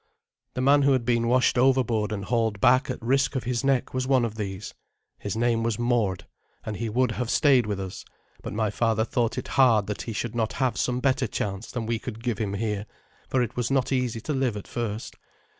The man who had been washed overboard and hauled back at risk of his neck was one of these. His name was Mord, and he would have stayed with us; but my father thought it hard that he should not have some better chance than we could give him here, for it was not easy to live at first.